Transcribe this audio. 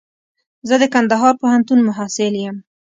زه د کندهار پوهنتون محصل يم.